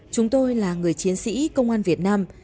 chúng tôi là người chiến sĩ công an việt nam